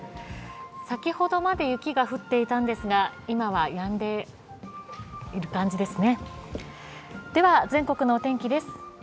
先ほどまで雪が降っていたんですが今はやんでいる感じですね。